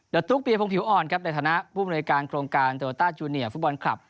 และทุกปีภงผิวอ่อนในฐานะผู้บริการโครงการโตราต้าจูเนียร์ฟุตบอลคลับ